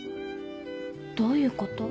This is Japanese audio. どういうこと？